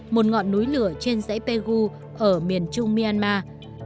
một ngọn núi lửa trên dãy pegu ở miền trung myanmar